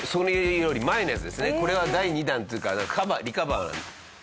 これは第２弾というかリカバー。